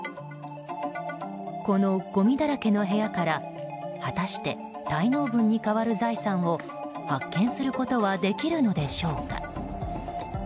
このごみだらけの部屋から果たして、滞納分に代わる財産を発見することはできるのでしょうか。